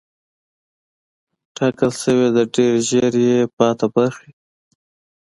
ټاکل شوې ده ډېر ژر یې پاتې برخې